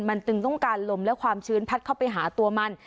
มันจึงต้องการลมและความชื้นพัดเข้าไปหาตัวมัน